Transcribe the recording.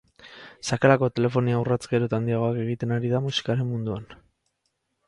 Sakelako telefonia urrats gero eta handiagoak egiten ari da musikaren munduan.